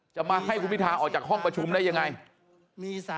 จะมาให้คุณพิทาออกจากห้องประชุมได้ยังไง